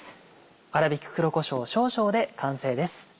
粗びき黒こしょう少々で完成です。